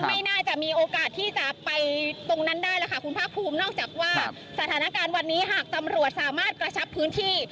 ไม่น่าจะมีโอกาสที่จะไปตรงนั้นได้แล้วค่ะคุณภาคภูมินอกจากว่าสถานการณ์วันนี้หากตำรวจสามารถกระชับพื้นที่